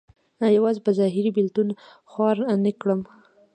یوازې په ظاهر بېلتون خوار نه کړم.